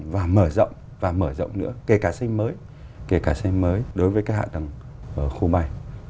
và mở rộng và mở rộng nữa kể cả xây mới kể cả xây mới đối với cái hạ tầng ở khu mây